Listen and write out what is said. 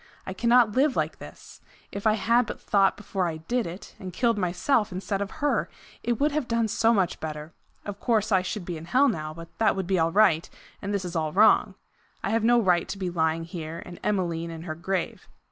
I cannot live like this! If I had but thought before I did it, and killed myself instead of her! It would have done so much better! Of course I should be in hell now, but that would be all right, and this is all wrong. I have no right to be lying here and Emmeline in her grave.